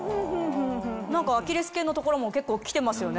何かアキレス腱の所も結構きてますよね。